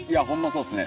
そうっすね。